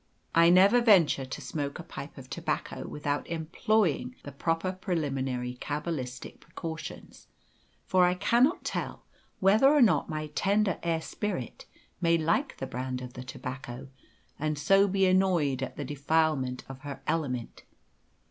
I never venture to smoke a pipe of tobacco without employing the proper preliminary cabbalistic precautions, for I cannot tell whether or not my tender air spirit may like the brand of the tobacco, and so be annoyed at the defilement of her element.